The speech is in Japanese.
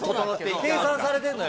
計算されてんのよ。